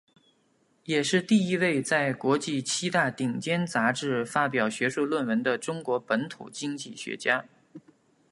也是第一位在国际七大顶尖杂志发表学术论文的中国本土经济学家。